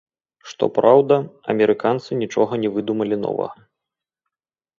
Што праўда, амерыканцы нічога не выдумалі новага.